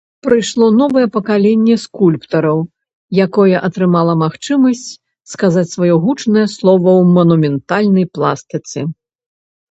Прыйшло новае пакаленне скульптараў, якое атрымала магчымасць сказаць сваё гучнае слова ў манументальнай пластыцы.